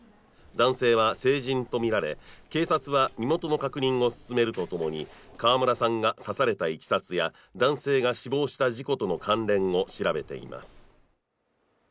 男性は成人とみられ、警察は身元の確認を進めるとともに、川村さんが刺されたいきさつや男性が死亡した事故との関連を調べています。